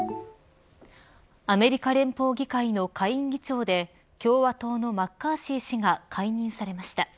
アメリカ連邦議会の下院議長で共和党のマッカーシー氏が解任されました。